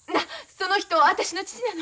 その人は私の父なの。